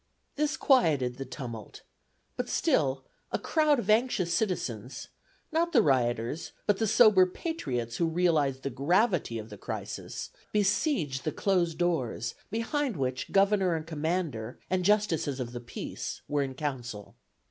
This quieted the tumult, but still a crowd of anxious citizens not the rioters, but the sober patriots who realized the gravity of the crisis besieged the closed doors behind which Governor and Commander and justices of the peace were in council.